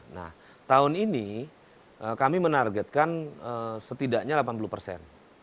nah tahun ini kami menargetkan setidaknya delapan puluh persen